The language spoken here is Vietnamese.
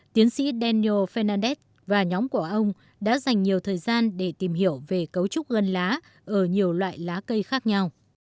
tiến sĩ danio fernandez và nhóm của ông đã dành nhiều thời gian để tìm hiểu về cấu trúc gân lá ở nhiều loại lá cây khác nhau